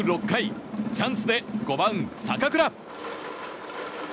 ６回チャンスで５番、坂倉。